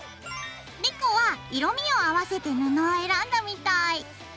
莉子は色みを合わせて布を選んだみたい。